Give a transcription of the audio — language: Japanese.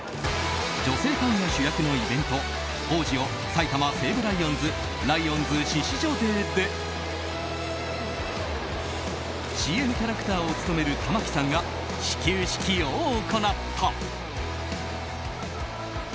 女性ファンが主役のイベントオージオ・埼玉西武ライオンズライオンズ獅子女デーでＣＭキャラクターを務める玉木さんが始球式を行った。